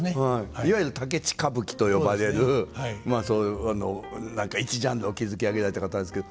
いわゆる武智歌舞伎と呼ばれる一ジャンルを築き上げられた方ですけど。